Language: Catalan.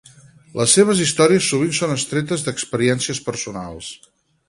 Les seves històries sovint són extretes d'experiències personals.